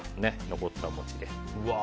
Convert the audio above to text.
残ったお餅で。